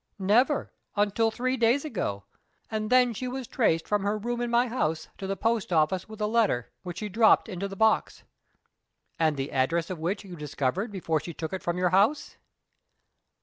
"Never, until three days ago; and then she was traced from her room in my house to the post office with a letter, which she dropped into the box." "And the address of which you discovered before she took it from your house?"